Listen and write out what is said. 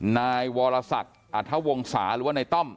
นายวรศักดิ์อัธวงศาหรือว่าในต้อม